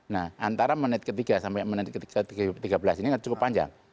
nah antara menit ketiga sampai menit tiga belas ini cukup panjang